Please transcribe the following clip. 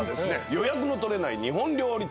予約の取れない日本料理店。